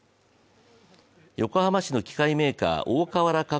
横浜市の機械メーカー大川原化